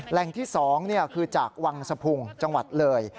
แหล่งที่๒คือจากวังสะพุงจังหวัดเลย